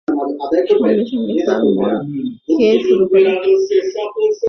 সঙ্গে সঙ্গে তারা মল খেতে শুরু করে।